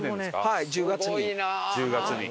はい１０月に。